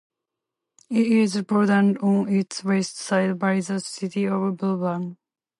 It is bordered on its west side by the city of Auburn.